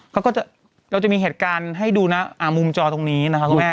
เขาก็จะมีเหตุการณ์ให้ดูนะมุมจอตรงนี้นะคะคุณแม่